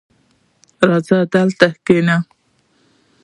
• راځه، دلته کښېنه.